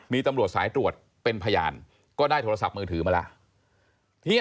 มีตำรวจสายตรวจเป็นพยานก็ได้โทรศัพท์มือถือมาแล้ว